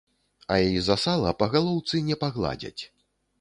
А і за сала па галоўцы не пагладзяць!